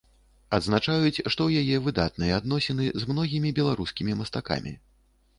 Адзначаюць, што ў яе выдатныя адносіны з многімі беларускімі мастакамі.